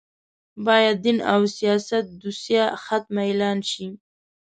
باید دین او سیاست دوسیه ختمه اعلان شي